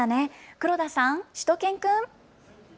黒田さん、しゅと犬くん。